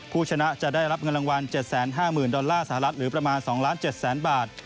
ผู้ชนะจะได้รับเงินรางวัล๗๕๐๐๐ดอลลาร์สหรัฐหรือประมาณ๒ล้าน๗แสนบาท